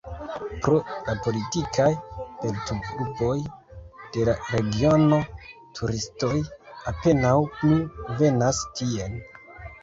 Pro la politikaj perturboj de la regiono turistoj apenaŭ plu venas tien.